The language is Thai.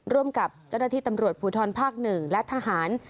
ร่วมกับเจ้าหน้าที่ตำรวจภูทรภาค๑และทหาร